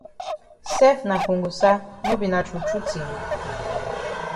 Sef na kongosa no be na true true tin?